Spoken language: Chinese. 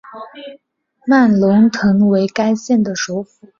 曼庞滕为该县的首府。